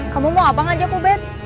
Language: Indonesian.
kamu mau apa ngajak ubed